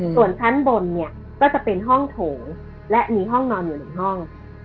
ส่วนชั้นบนก็จะเป็นห้องโถงและมีห้องนอนอยู่๑ห้อง